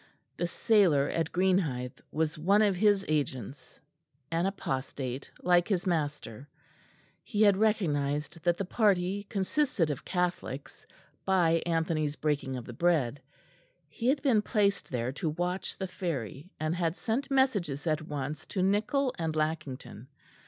The sailor at Greenhithe was one of his agents an apostate, like his master. He had recognised that the party consisted of Catholics by Anthony's breaking of the bread. He had been placed there to watch the ferry; and had sent messages at once to Nichol and Lackington.